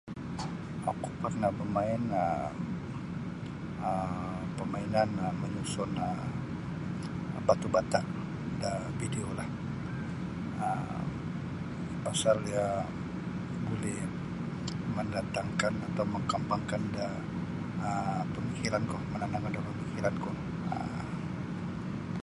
Oku parnah bamain um pemainan um manyusun um batu-bata da videolah um pasal iyo buli mandatangkan atau mengkembangkan da um pamikiran ku [unintelligible] pamikiran ku um.